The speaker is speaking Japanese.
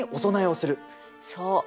そう。